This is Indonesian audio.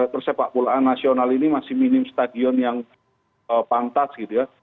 persepak bolaan nasional ini masih minim stadion yang pantas gitu ya